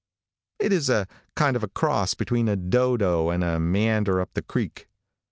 It is a kind of a cross between a dodo and a meander up the creek.